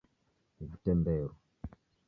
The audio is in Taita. Vitemberu